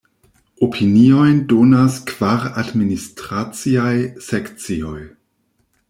Opiniojn donas kvar administraciaj sekcioj.